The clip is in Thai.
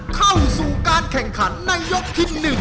เข้าสู่การแข่งขันในยกที่๑